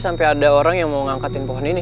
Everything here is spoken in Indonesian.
sampai ada orang yang mau ngangkatin pohon ini